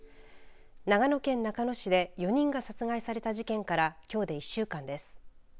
長野県中野市で４人が殺害された事件からきょうで１週間です。